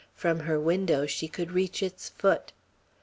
From her window she could reach its foot.